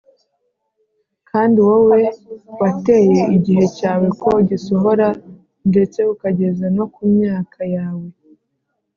kandi wowe wateye igihe cyawe ko gisohora ndetse ukageza no ku myaka yawe